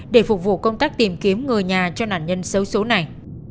để phục vụ công tác tìm kiếm người nhà cho nạn nhân xấu xố này